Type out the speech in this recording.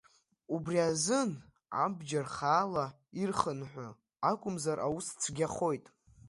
Убри азын, абџьар хаала ирхынҳәы, акәымзар аус цәгьахоит.